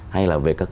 hay là về các